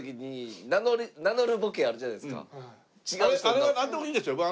あれはなんでもいいんですよ。